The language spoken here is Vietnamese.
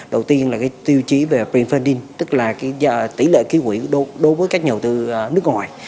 đầu tiên là cái tiêu chí về pre funding tức là tỷ lệ ký quỷ đối với các nhà đầu tư nước ngoài